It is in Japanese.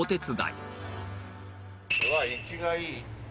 うわっいきがいい。